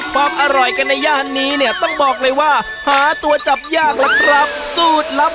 ประมาณ๒๐๓๐ตัวครับ